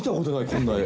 こんな絵」